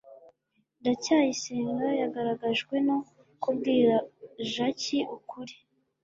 ndacyayisenga yageragejwe no kubwira jaki ukuri